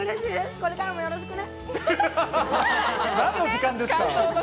これからもよろしくね。